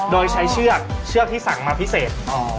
โดยใช้เชือกเชือกที่สั่งมาพิเศษ